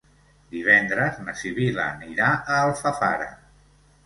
Divendres na Sibil·la anirà a Alfafara.